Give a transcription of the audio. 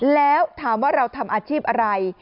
แล้วถามว่าเราทำอาชีพอะไร